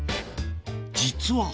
実は。